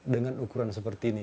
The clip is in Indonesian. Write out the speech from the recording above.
dengan ukuran seperti ini